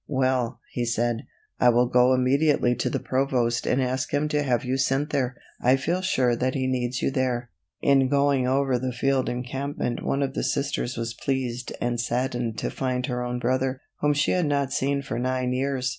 "Well," he said, "I will go immediately to the provost and ask him to have you sent there. I feel sure that he needs you there." In going over the field encampment one of the Sisters was pleased and saddened to find her own brother, whom she had not seen for nine years.